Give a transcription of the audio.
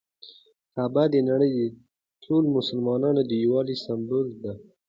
کعبه د نړۍ ټولو مسلمانانو د یووالي سمبول ده.